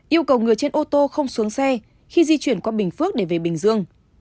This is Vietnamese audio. yêu cầu người trên ô tô không xuống xe khi di chuyển qua bình phước để về bình dương